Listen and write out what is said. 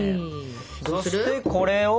そしてこれを。